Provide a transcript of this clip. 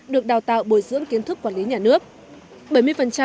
được đào tạo bồi dưỡng kiến thức quản lý nhà nước